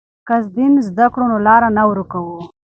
که دین زده کړو نو لار نه ورکوو.